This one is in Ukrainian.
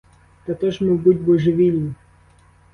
Та то ж, мабуть, божевільні.